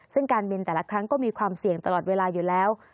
ซึ่งการบินแต่ละครั้งก็มีความเสี่ยงตลอดเวลาอยู่แล้ว